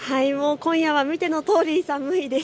今夜は見てのとおり寒いです。